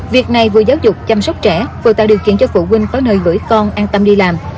việc này vừa giáo dục chăm sóc trẻ vừa tạo điều kiện cho phụ huynh có nơi gửi con an tâm đi làm